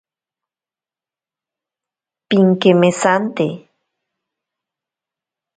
Pinkemesante.